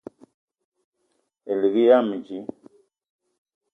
Elig yam dji